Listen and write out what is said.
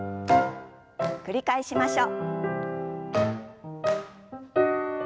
繰り返しましょう。